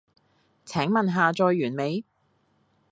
請問下載完未？